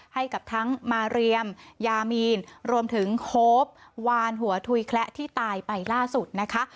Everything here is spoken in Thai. ให้กับทั้งมาเรียมยามีนรวมถึงโฮปวานหัวถุยแคละที่ตายไปล่าสุดนะคะ